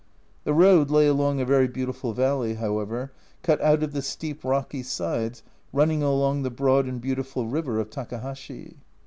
The road lay along a very beautiful valley, however, cut out of the steep rocky sides running along the broad and beautiful river of Takahashi.